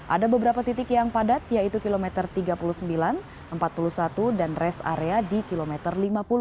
ada beberapa titik yang padat yaitu kilometer tiga puluh sembilan empat puluh satu dan rest area di kilometer lima puluh